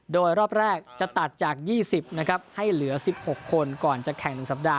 โดยรอบแรกจะตัดจาก๒๐นะครับให้เหลือ๑๖คนก่อนจะแข่ง๑สัปดาห